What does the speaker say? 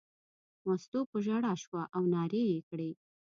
مستو په ژړا شوه او نارې یې کړې.